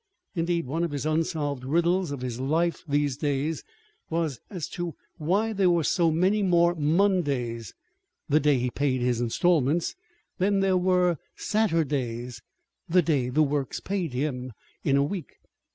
Indeed, one of the unsolved riddles of his life these days was as to why there were so many more Mondays (the day he paid his installments) than there were Saturdays (the day the Works paid him) in a week.